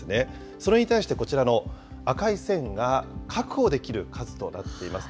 それに対してこちらの赤い線が確保できる数となっています。